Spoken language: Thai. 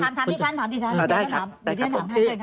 ถามถามที่ฉันถามที่ฉันอ่าได้ครับเดี๋ยวท่านถามให้เชิญค่ะ